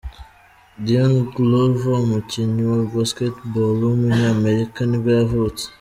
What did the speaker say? Dion Glover, umukinnyi wa basketball w’umunyamerika nibwo yavutse.